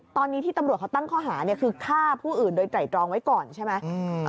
ตอนนี้ที่ตำรวจเขาตั้งข้อหาคือฆ่าผู้อื่นโดยไตรตรองไว้ก่อนใช่ไหม